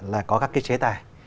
là có các cái chế tài